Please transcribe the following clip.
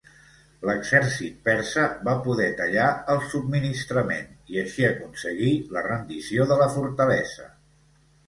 L'exèrcit persa va poder tallar el subministrament i així aconseguir la rendició de la fortalesa.